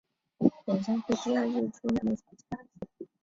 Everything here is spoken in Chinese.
演唱会第二日出现了小插曲。